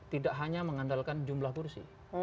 tidak hanya mengandalkan jumlah kursi